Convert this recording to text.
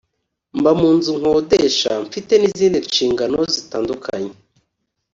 mba mu nzu nkodesha mfite n’izindi nshingano zitandukanye